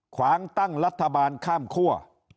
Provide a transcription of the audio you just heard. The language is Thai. ขวางตั้งรัฐบาลข้ามคั่ว